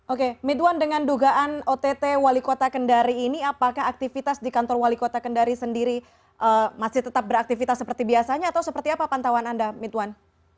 oke mitwan dengan dugaan ott wali kota kendari ini apakah aktivitas di kantor wali kota kendari sendiri masih tetap beraktivitas seperti biasanya atau seperti apa pantauan anda mitwan